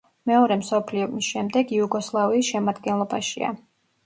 მეორე მსოფლიო ომის შემდეგ იუგოსლავიის შემადგენლობაშია.